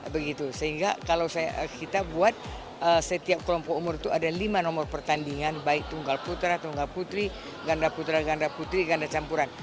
begitu sehingga kalau kita buat setiap kelompok umur itu ada lima nomor pertandingan baik tunggal putra tunggal putri ganda putra ganda putri ganda campuran